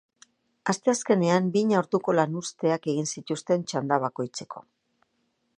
Asteazkenean, bina orduko lanuzteak egin zituzten txanda bakoitzeko.